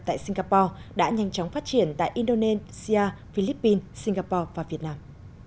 tại singapore đã nhanh chóng phát triển tại indonesia philippines singapore và việt nam